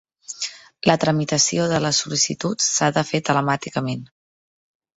La tramitació de les sol·licituds s'ha de fer telemàticament.